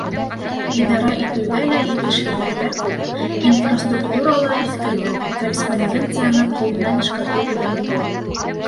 — Идара итеүҙә лә етешһеҙлектәр күп, инфраструктура ла иҫкергән, корреспонденцияны ҡул менән эшкәртеү күләме ҙур.